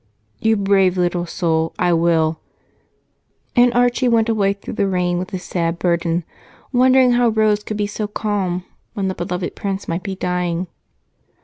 "You brave little soul, I will." And Archie went away through the rain with his sad burden, wondering how Rose could be so calm when the beloved Prince might be dying.